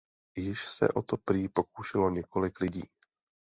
Již se o to prý pokoušelo několik lidí.